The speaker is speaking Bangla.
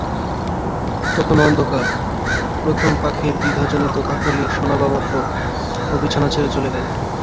তখনো অন্ধকার, প্রথম পাখির দ্বিধাজড়িত কাকলি শোনবামাত্র ও বিছানা ছেড়ে চলে গেল।